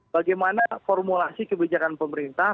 bagaimana formulasi kebijakan pemerintah